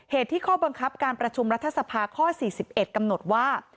เหตุที่ข้อบังคับการประชุมรัฐสภาข้อ๔๑กำหนดว่า